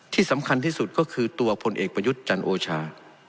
ที่สำคัญที่สุดก็คือตัวผลเอกประยุทธ์จันโอชา